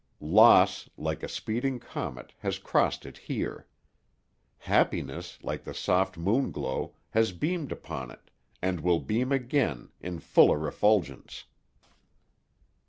Loss, like a speeding comet, has crossed it here. Happiness, like the soft moon glow, has beamed upon it, and will again beam, in fuller effulgence."